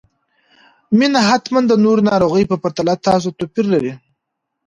مينه حتماً د نورو ناروغانو په پرتله تاسو ته توپير لري